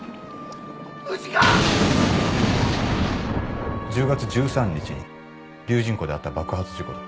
藤川１０月１３日に龍仁湖であった爆発事故で。